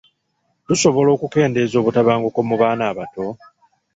Tusobola okukeendeza obutabanguko mu baana abato?